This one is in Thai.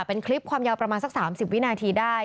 เป็นคลิปความยาวประมาณสัก๓๐วินาทีได้